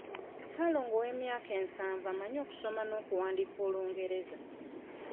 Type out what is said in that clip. Ssaalongo ow'emyaka ensavu amanyi okusoma n'okuwandiika Olungereza.